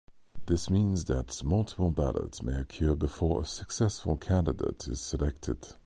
This means that multiple ballots may occur before a successful candidate is selected.